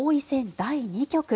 第２局。